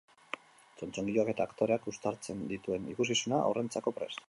Txotxongiloak eta aktoreak uztartzen dituen ikuskizuna haurrentzako prest.